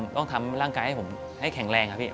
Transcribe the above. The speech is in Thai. ต้องทำร่างกายให้ผมให้แข็งแรงครับพี่